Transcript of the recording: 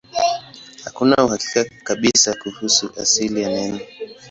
Hakuna uhakika kabisa kuhusu asili ya neno.